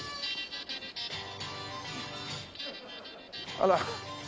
あら。